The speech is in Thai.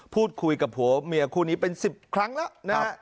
พูดคุยกับผัวเมียคู่นี้เป็น๑๐ครั้งแล้วนะครับ